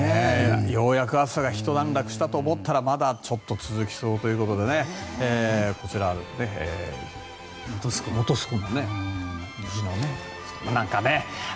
ようやく暑さがひと段落したと思ったらまだちょっと続きそうということでこちらは本栖湖。